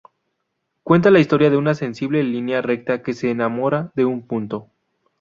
Cuenta la historia de una sensible línea recta que se enamora de un punto.